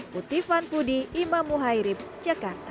puti fan pudi imam muhairib jakarta